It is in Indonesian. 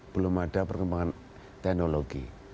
belum ada perkembangan teknologi